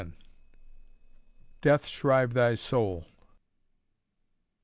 "DEATH SHRIVE THY SOUL!"